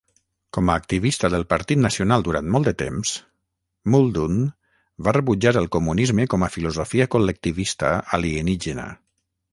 Com a activista del Partit Nacional durant molt de temps, Muldoon va rebutjar el comunisme com a filosofia col·lectivista "alienígena".